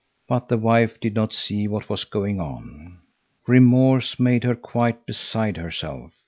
But the wife did not see what was going on. Remorse made her quite beside herself.